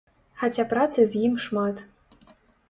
Хаця працы з ім шмат.